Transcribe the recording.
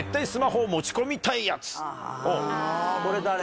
これ誰？